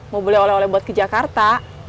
mau beli oleh oleh buat ke jakarta